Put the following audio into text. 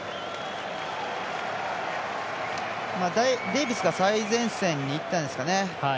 デイビスが最前線にいったんですかね。